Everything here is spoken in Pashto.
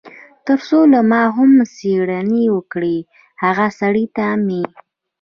تر څو له ما هم څېړنې وکړي، هغه سړي ته مې.